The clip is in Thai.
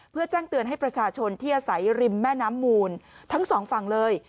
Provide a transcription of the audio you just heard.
เพื่อแจ้งเตือนให้ประชาชนที่อาศัยริมแม่น้ำมูลทั้งสองฝั่งเลย